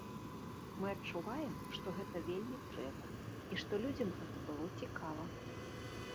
Мы адчуваем, што гэта вельмі трэба, і што людзям гэта было цікава.